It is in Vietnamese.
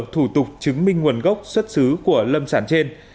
thủ tục chứng minh nguồn gốc xuất xứ của lâm sản trên